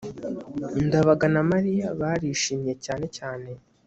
ndabaga na mariya barishimye cyane cyane